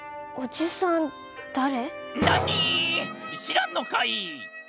しらんのかい！